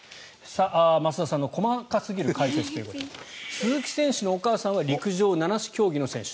増田さんの細かすぎる解説ということで鈴木選手のお母さんは陸上七種競技の選手